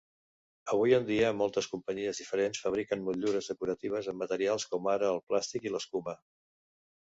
Avui en dia, moltes companyies diferents fabriquen motllures decoratives amb materials com ara el plàstic i l'escuma.